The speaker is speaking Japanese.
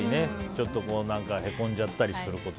ちょっとへこんじゃったりすること。